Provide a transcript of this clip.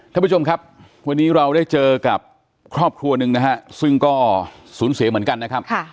ท่านผู้ชมครับวันนี้เราได้เจอกับครอบครัวหนึ่งนะฮะซึ่งก็สูญเสียเหมือนกันนะครับ